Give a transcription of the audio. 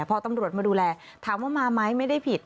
พอตำรวจมาดูแลถามว่ามาไหมไม่ได้ผิด